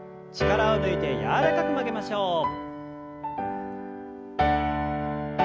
力を抜いて柔らかく曲げましょう。